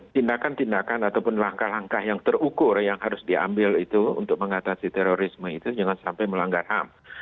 tindakan tindakan ataupun langkah langkah yang terukur yang harus diambil itu untuk mengatasi terorisme itu jangan sampai melanggar ham